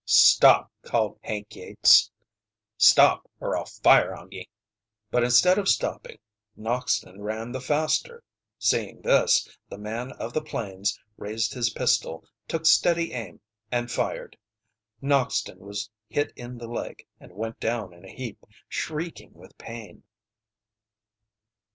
"Stop!" called Hank Yates. "Stop, or I'll fire on ye!" But instead of stopping Noxton ran the faster. Seeing this, the man of the plains raised his pistol, took steady aim, and fired. Noxton was hit in the leg and went down in a heap, shrieking with pain.